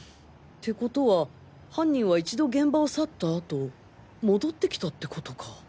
てことは犯人は一度現場を去った後戻ってきたってことか？